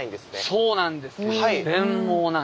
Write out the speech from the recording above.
そうなんですよ。